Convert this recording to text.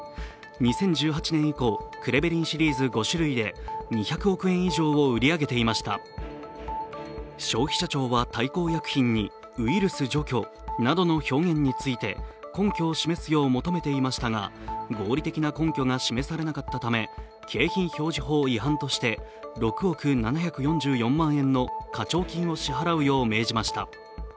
２０１８年以降、クレベリンシリーズ５種類で２００億円以上を売り上げていました消費者庁は大幸薬品にウイルス除去などの表現について根拠を示すよう求めていましたが、合理的な根拠が示されなかったため、景品表示法違反として６億７４４万円の課徴金を支払うよう命じました。